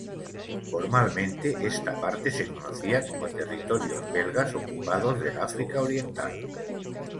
Formalmente esta parte se conocía como "Territorios Belgas Ocupados del África Oriental".